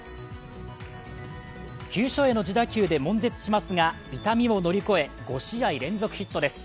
急所への自打球でもん絶しますが、痛みを乗り越え５試合連続ヒットです。